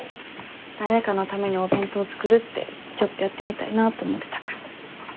誰かのためにお弁当作るってちょっとやってみたいなと思ってたから。